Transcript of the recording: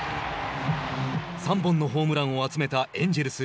３本のホームランを集めたエンジェルス。